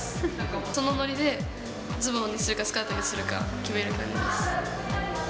そのノリでズボンにするか、スカートにするか決める感じです。